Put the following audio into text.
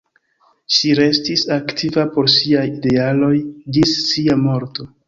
Ŝi restis aktiva por siaj idealoj ĝis sia morto.